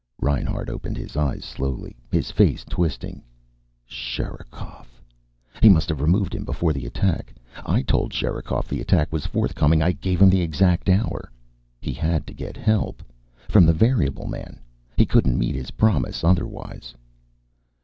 Reinhart opened his eyes slowly, his face twisting. "Sherikov! He must have removed him before the attack. I told Sherikov the attack was forthcoming. I gave him the exact hour. He had to get help from the variable man. He couldn't meet his promise otherwise."